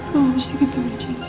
mama mesti ketemu jessica